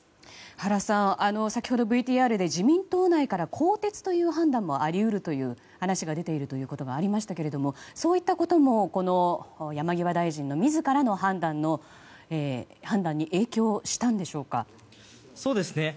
原さん、先ほどＶＴＲで自民党内から更迭という判断もあり得るという話が出ているということもありましたがそういったことも山際大臣の自らの判断に影響したんでしょうか？